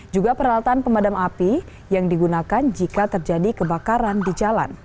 juga peralatan pemadam api yang digunakan jika terjadi kebakaran di jalan